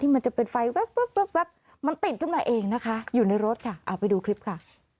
ที่มันจะเป็นไฟมันติดกันมาเองนะคะอยู่ในรถค่ะไปดูคลิปค่ะ